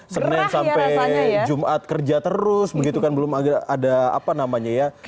senin sampai jumat kerja terus begitu kan belum ada apa namanya ya